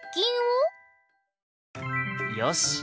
よし。